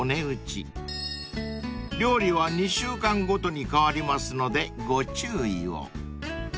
［料理は２週間ごとに変わりますのでご注意を］